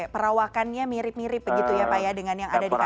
perawakannya mirip mirip begitu ya pak ya dengan yang ada di kpk